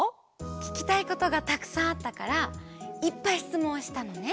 ききたいことがたくさんあったからいっぱいしつもんをしたのね。